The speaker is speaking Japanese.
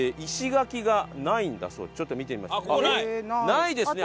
ないですね